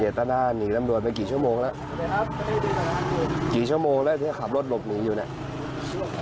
ตนาหนีตำรวจไปกี่ชั่วโมงแล้วกี่ชั่วโมงแล้วที่ขับรถหลบหนีอยู่เนี่ย